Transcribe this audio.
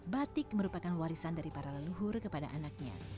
batik merupakan warisan dari para leluhur kepada anaknya